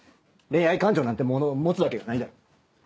恋愛感情なんてものを持つわけがないだろう。